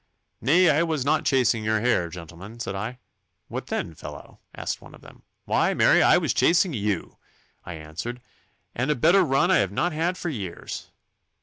"Nay, I was not chasing your hare, gentlemen," said I. "What then, fellow?" asked one of them. "Why, marry, I was chasing you," I answered, "and a better run I have not had for years."